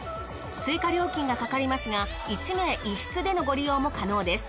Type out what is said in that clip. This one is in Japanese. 追加料金がかかりますが１名１室でのご利用も可能です。